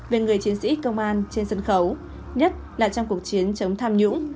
về người chiến sĩ công an trên sân khấu nhất là trong cuộc chiến chống tham nhũng